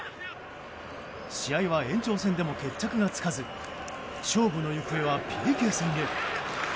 試合は延長戦でも決着がつかず勝負の行方はＰＫ戦へ。